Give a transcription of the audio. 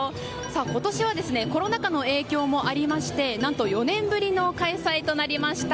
今年はコロナ禍の影響もありまして何と４年ぶりの開催となりました。